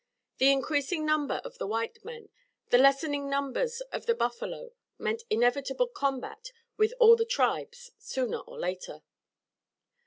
The increasing number of the white men, the lessening numbers of the buffalo, meant inevitable combat with all the tribes sooner or later.